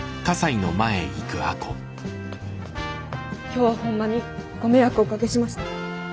今日はほんまにご迷惑をおかけしました。